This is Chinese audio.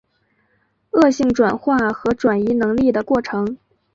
恶性转化和转移能力的过程。